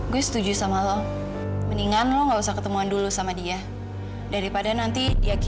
gitu indira itu baru namanya wanita yang baik